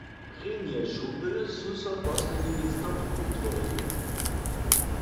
Prěnje župy su so w poslednim lětstotku wutworili.